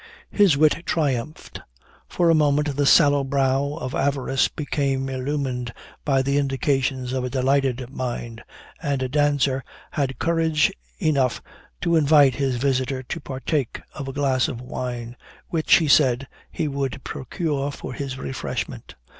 His wit triumphed: for a moment the sallow brow of avarice became illumined by the indications of a delighted mind, and Danser had courage enough to invite his visitor to partake of a glass of wine, which, he said, he would procure for his refreshment.